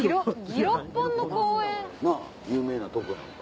なぁ有名なとこやんか。